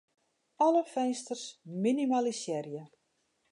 Alle finsters minimalisearje.